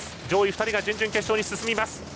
上位２人が準々決勝に進みます。